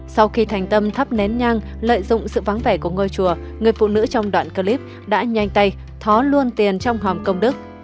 sau khi thành tâm thắp nén nhang lợi dụng sự vắng vẻ của ngôi chùa người phụ nữ trong đoạn clip đã nhanh tay thó luôn tiền trong hòm công đức